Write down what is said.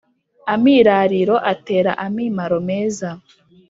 Amirariro atera amimaro meza